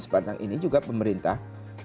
sepanjang ini juga pemerintah